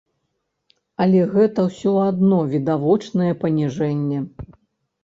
Але гэта ўсё адно відавочнае паніжэнне.